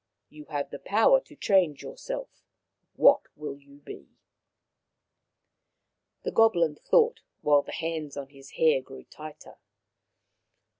You have the power to change yourself. What will you be ?" The Goblin thought, while the hands on his hair grew tighter.